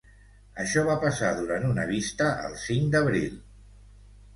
Això va passar durant una vista el cinc d’abril.